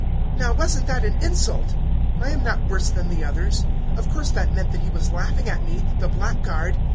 "Now, wasn't that an insult? I am not worse than the others. Of course that meant that he was laughing at me, the blackguard.